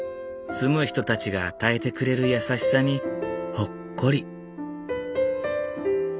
住む人たちが与えてくれる優しさにほっこり。